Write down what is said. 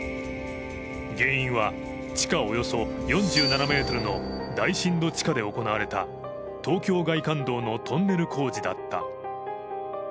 原因は、地下およそ４７ｍの大深度地下で行われた東京外環道のトンネル工事だった。